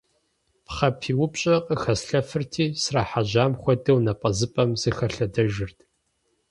Пхъэ пиупщӀыр къыхэслъэфырти, срахьэжьам хуэдэу, напӀэзыпӀэм сыхэлъэдэжырт.